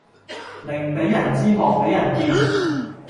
寧俾人知莫俾人見